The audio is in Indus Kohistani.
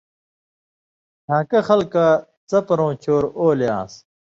دھان٘کہ خلکہ څپرؤں چور اولے آن٘س